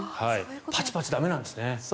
パチパチ駄目なんですね。